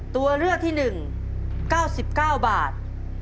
ตัวเลือกที่๑๙๙บาท